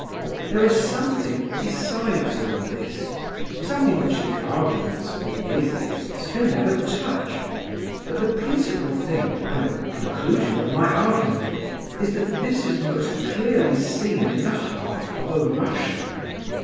There is something besides all this, something which the arguments of the atheists can never touch. But the principal thing, and the conclusion of my argument, is that this is most clearly seen in the heart of a Russian.